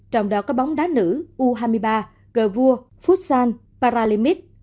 trong đó có bóng đá nữ u hai mươi ba gv futsal paralimit